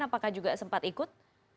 apakah juga sempat ikut